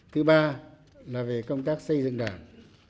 thứ ba là về công tác xây dựng đảng